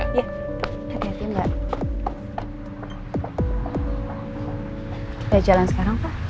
kita jalan sekarang pak